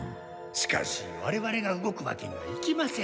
しかしわれわれが動くわけにはいきません。